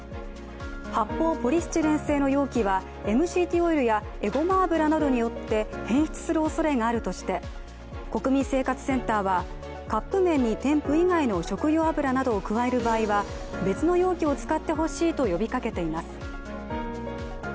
発泡ポリスチレン製の容器はＭＣＴオイルや、えごま油などによって変質するおそれがあるとして、国民生活センターはカップ麺に添付以外の食用油を使う場合は別の容器を使ってほしいと呼びかけています。